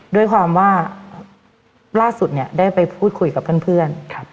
ด้วยความว่าล่าสุดเนี่ยได้ไปพูดคุยกับเพื่อน